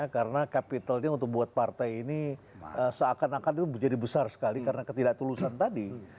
karena capitalnya untuk buat partai ini seakan akan itu menjadi besar sekali karena ketidaktulusan tadi